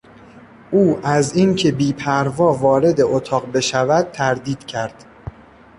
او از این که بیپروا وارد اتاق بشود تردید کرد.